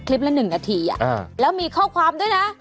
ละ๑นาทีแล้วมีข้อความด้วยนะ